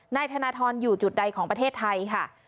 นายธนทรอยู่จุดใดของประเทศไทยค่ะ